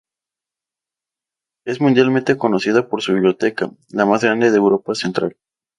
Es mundialmente conocida por su biblioteca, la más grande de Europa Central.